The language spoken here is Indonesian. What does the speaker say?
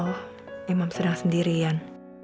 oh imam sedang sendirian